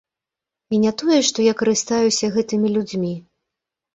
І не тое, што я карыстаюся гэтымі людзьмі.